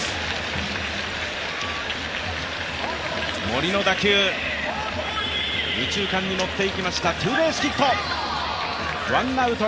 森の打球、右中間に持っていきました、ツーベースヒット。